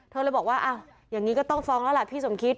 เธอเลยบอกว่าอ้าวอย่างนี้ก็ต้องฟ้องแล้วล่ะพี่สมคิด